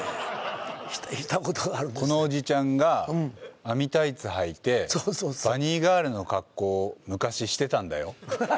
このおじちゃんが網タイツはいてバニーガールの格好昔してたんだよ。